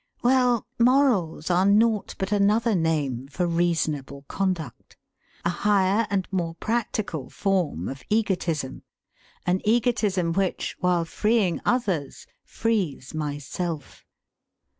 Well, morals are naught but another name for reasonable conduct; a higher and more practical form of egotism an egotism which, while freeing others, frees myself.